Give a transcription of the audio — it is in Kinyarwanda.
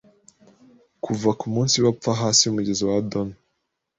kuva kumunsi we apfa Hasi yumugezi wa Adona